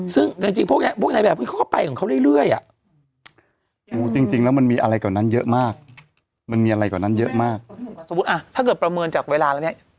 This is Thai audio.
ซึ่งจริงพวกนี้พวกนี้ในแบบเขาก็ไปของเขาเรื่อย